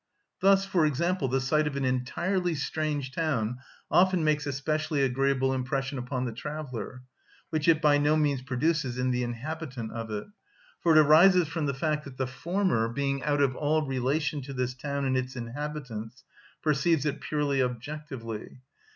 Thus, for example, the sight of an entirely strange town often makes a specially agreeable impression upon the traveller, which it by no means produces in the inhabitant of it; for it arises from the fact that the former, being out of all relation to this town and its inhabitants, perceives it purely objectively.